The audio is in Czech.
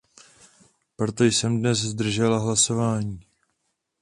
Proto jsem se dnes zdržela hlasování.